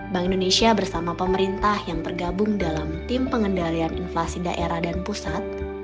bank indonesia bersama pemerintah yang tergabung dalam tim pengendalian inflasi daerah dan pusat